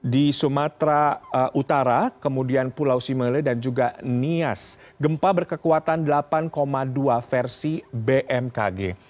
di sumatera utara kemudian pulau simele dan juga nias gempa berkekuatan delapan dua versi bmkg